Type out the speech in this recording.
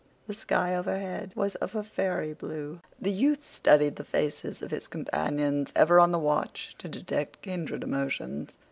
The sky overhead was of a fairy blue. The youth studied the faces of his companions, ever on the watch to detect kindred emotions.